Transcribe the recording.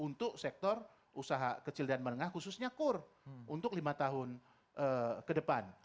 untuk sektor usaha kecil dan menengah khususnya kur untuk lima tahun ke depan